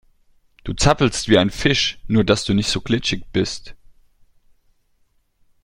Du zappelst wie ein Fisch, nur dass du nicht so glitschig bist.